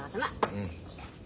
うん。